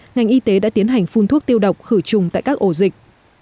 ngành y tế đã tiến hành phun thuốc tiêu độc khử trùng tại các ổ dịch